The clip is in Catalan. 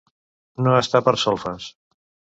No estar per a solfes.